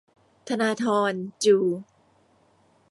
ธนาธร จู